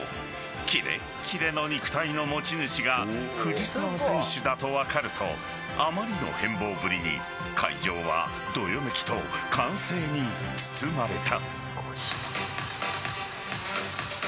キレッキレの肉体の持ち主が藤澤選手だと分かるとあまりの変貌ぶりに会場はどよめきと歓声に包まれた。